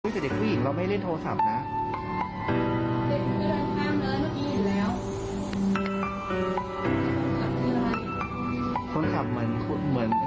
ทางมาลายล่ะ